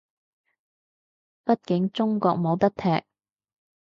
畢竟中國冇得踢